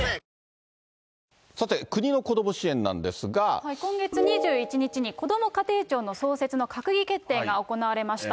さて、今月２１日に、こども家庭庁の創設の閣議決定が行われました。